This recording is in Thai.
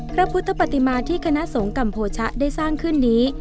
พระพุทธปฏิมาที่คณะสงฆ์กัมโภชะได้สร้างขึ้นนี้